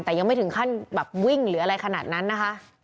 แต่ยังไม่ถึงขั้นแบบวิ่งหรืออะไรขนาดนั้นนะคะ